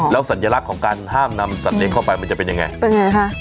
แล้วสัญลักษณ์ของการห้ามนำสัตว์เลี้ยเข้าไปมันจะเป็นยังไงเป็นไงคะ